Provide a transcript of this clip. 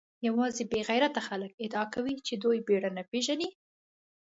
یوازې بې غیرته خلک ادعا کوي چې دوی بېره نه پېژني.